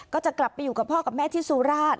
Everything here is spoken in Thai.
ก็จะกลับไปอยู่กับพ่อกับแม่ที่สุราช